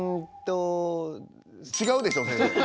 違うでしょ先生。